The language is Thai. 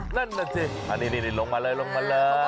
นั่นน่ะสิอันนี้ลงมาเลยลงมาเลย